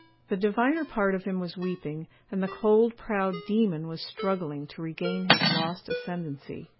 The diviner part of him was weeping, and the cold, proud, demon was struggling to regain his lost ascendency.